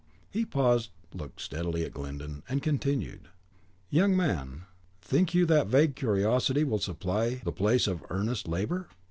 He paused, looked steadily at Glyndon, and continued, "Young man, think you that vague curiosity will supply the place of earnest labour?